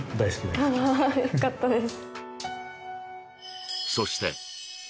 よかったです